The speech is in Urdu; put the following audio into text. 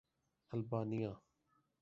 البانیہ